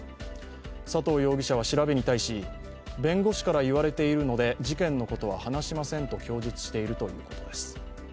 佐藤容疑者は調べに対し、弁護士から言われているので事件のことは話しませんと供述しているということです。